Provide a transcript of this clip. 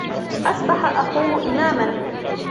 أصبح أخوه إماما.